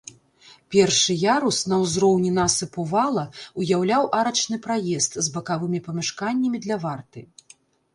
Першы ярус, на ўзроўні насыпу вала, уяўляў арачны праезд з бакавымі памяшканнямі для варты.